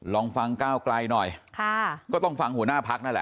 ลองฟังก้าวไกลหน่อยค่ะก็ต้องฟังหัวหน้าพักนั่นแหละ